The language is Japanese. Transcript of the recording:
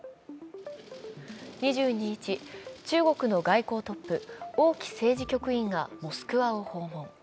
２２日、中国の外交トップ、王毅政治局員がモスクワを訪問。